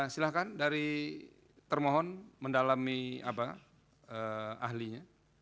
silahkan dari termohon mendalami ahlinya